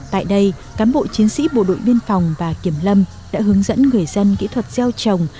tại đây cán bộ chiến sĩ bộ đội biên phòng và kiểm lâm đã hướng dẫn người dân kỹ thuật gieo trồng